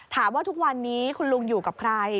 ทุกวันนี้คุณลุงอยู่กับใคร